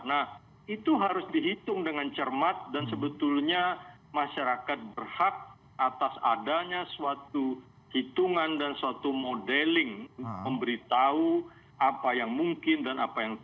nah itu harus dihitung dengan cermat dan sebetulnya masyarakat berhak atas adanya suatu hitungan dan suatu modeling memberitahu apa yang mungkin dan apa yang terjadi